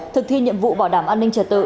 thực thi nhiệm vụ bảo đảm an ninh trật tự